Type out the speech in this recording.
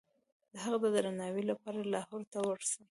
د هغه د درناوي لپاره لاهور ته ورسي.